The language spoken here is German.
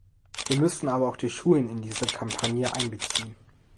Wir müssen aber auch die Schulen in diese Kampagne einbeziehen.